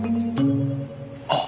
あっ。